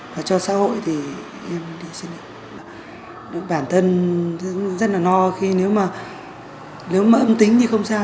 và cho xã hội thì em xin được bản thân rất là no khi nếu mà ấm tính thì không sao